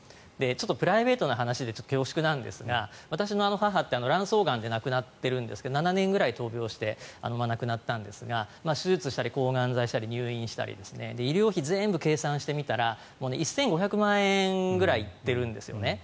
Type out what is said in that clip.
プライベートな話で恐縮ですが私の母って卵巣がんで亡くなっているんですが７年ぐらい闘病して亡くなったんですが手術したり、抗がん剤したり入院したり医療費、全部計算してみたら１５００万円ぐらいいってるんですよね。